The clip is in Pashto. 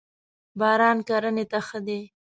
باران کرنی ته ښه دی.